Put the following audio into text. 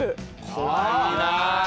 怖いな。